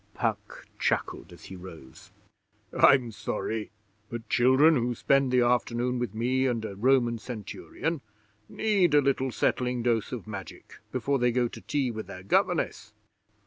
Puck chuckled as he rose. 'I'm sorry, but children who spend the afternoon with me and a Roman Centurion need a little settling dose of Magic before they go to tea with their governess.